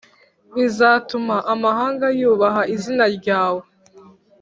bizatuma amahanga yubaha izina ryawe